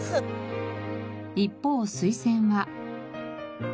一方スイセンは。